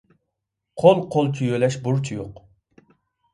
قول قولچە يۆلەش بۇرچى يوق.